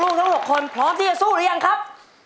ทั้ง๖คนพร้อมที่จะสู้หรือยังครับ